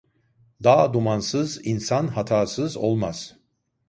Dağ dumansız insan hatasız olmaz.